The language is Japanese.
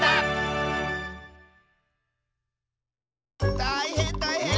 たいへんたいへん！